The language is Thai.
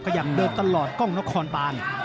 กะยั่งเดินตลอดโฆ่งนครบาน